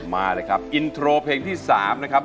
มาเลยครับอินโทรเพลงที่๓นะครับ